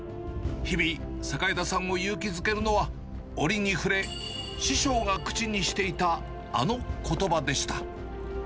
日々、榮田さんを勇気づけるのは、折に触れ、師匠が口にしていたあのことばでした。